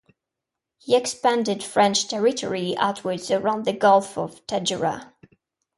He expanded French territory outwards around the Gulf of Tadjoura.